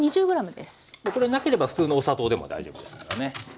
これなければ普通のお砂糖でも大丈夫ですからね。